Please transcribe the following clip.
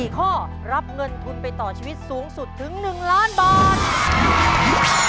๔ข้อรับเงินทุนไปต่อชีวิตสูงสุดถึง๑ล้านบาท